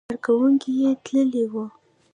کارکوونکي یې تللي وو.